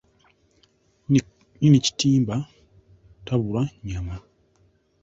Nnyini kitimba, tabulwa nnyama.